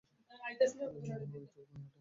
ওই তো মেয়েটা।